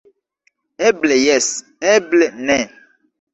Eble jes, eble ne.